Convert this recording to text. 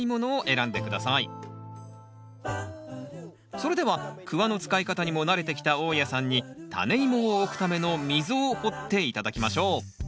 それではクワの使い方にも慣れてきた大家さんにタネイモを置くための溝を掘って頂きましょう